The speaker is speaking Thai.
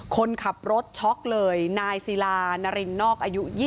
คนขับรถช็อกเลยนายศิลานารินนอกอายุ๒๐